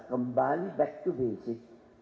kembali back to basic